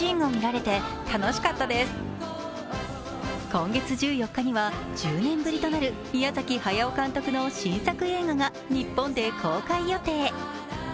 今月１４日には１０年ぶりとなる宮崎駿監督の新作映画が日本で公開予定。